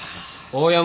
大山。